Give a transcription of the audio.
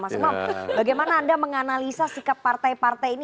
mas umam bagaimana anda menganalisa sikap partai partai ini